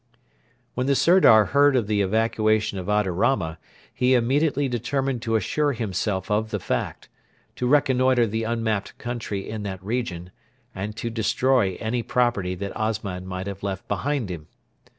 When the Sirdar heard of the evacuation of Adarama he immediately determined to assure himself of the fact, to reconnoitre the unmapped country in that region, and to destroy any property that Osman might have left behind him.